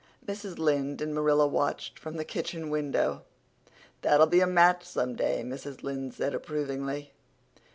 Mrs. Lynde and Marilla watched them from the kitchen window. "That'll be a match some day," Mrs. Lynde said approvingly.